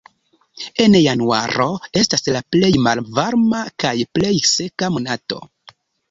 En januaro estas la plej malvarma kaj plej seka monato.